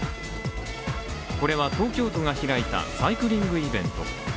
これは東京都が開いたサイクリングイベント。